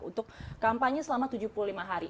untuk kampanye selama tujuh puluh lima hari